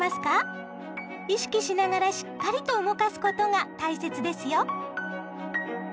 意識しながらしっかりと動かすことが大切ですよ！